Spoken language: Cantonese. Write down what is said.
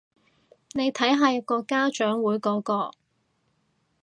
你睇下有個家長會嗰個